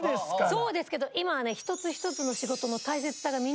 そうですけど今はね